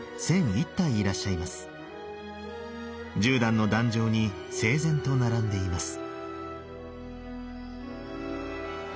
１０段の壇上に整然と並んでいます。